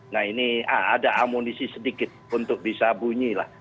nah ini ada amunisi sedikit untuk bisa bunyi lah